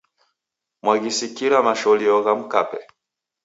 Mwaghisikira masholio gha mkape?